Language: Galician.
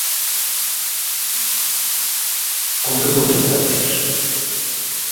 Con que consecuencias?